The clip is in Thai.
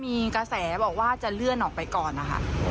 มีกระแสบอกว่าจะเลื่อนออกไปก่อนนะคะ